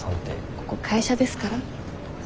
ここ会社ですから。